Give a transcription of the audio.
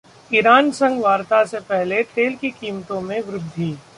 Iran संग वार्ता से पहले तेल की कीमतों में वृद्धि